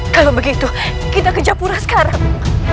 kalau begitu kita ke japura sekarang